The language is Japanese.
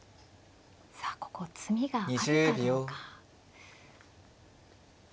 さあここ詰みがあるかどうか。